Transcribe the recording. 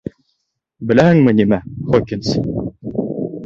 Беләһеңме нимә, Хокинс?